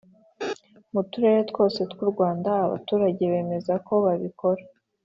mu turere twose tw’u Rwanda abaturage bemeza ko babikora